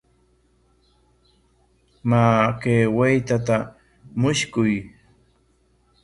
Maa, kay waytata mushkuy.